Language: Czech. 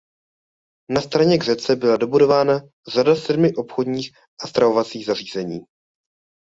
Na straně k řece byla dobudována řada sedmi obchodních a stravovacích zařízení.